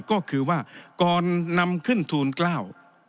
ก็คือว่าก่อนนำขึ้นทูลเกล้า